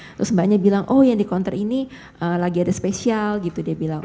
terus mbaknya bilang oh yang di counter ini lagi ada spesial gitu dia bilang